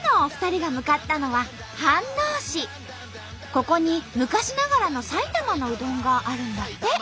ここに昔ながらの埼玉のうどんがあるんだって。